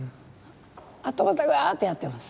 あとまたガーっとやってます。